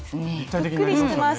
ぷっくりしてます。